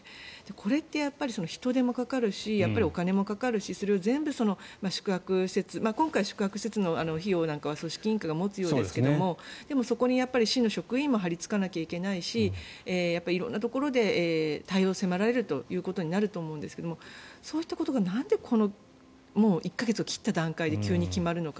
これって人手もかかるしお金もかかるしそれを全部宿泊施設今回、宿泊施設の費用なんかは組織委員会が持つようですがでも、そこに市の職員も張りつかなきゃいけないし色んなところで対応を迫られるということになると思うんですけどそういったことがなんで１か月を切った段階で急に決まるのか。